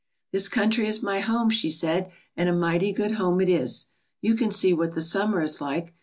"This country is my home," she said, "and a mighty good home it is. You can see what the summer is like.